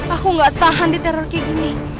aku gak tahan di teror kayak gini